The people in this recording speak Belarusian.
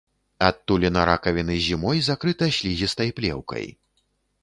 Адтуліна ракавіны зімой закрыта слізістай плеўкай.